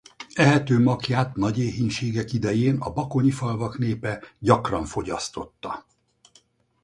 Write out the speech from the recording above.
Ehető makkját nagy éhínségek idején a bakonyi falvak népe gyakran fogyasztotta.